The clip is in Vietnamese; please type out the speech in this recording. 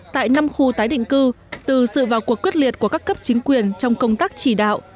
tại năm khu tái định cư từ sự vào cuộc quyết liệt của các cấp chính quyền trong công tác chỉ đạo